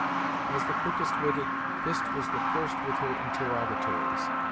As the quickest witted, Hist was the first with her interrogatories.